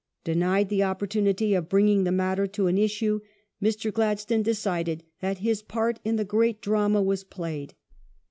Denied the opportunity of bringing the matter to an issue, Mr. Gladstone decided that his part in the great drama was played.